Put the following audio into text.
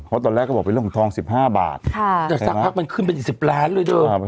เพราะตอนแรกก็บอกเป็นเรื่องของทอง๑๕บาทแต่สักพักมันขึ้นเป็นอีก๑๐ล้านเลยเถอะ